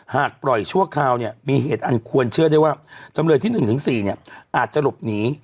หากปล่อยชั่วคราวเนี่ยมีเหตุอันควรเชื่อได้ว่าจำเลยที่๑๔เนี่ยอาจจะหลบหนี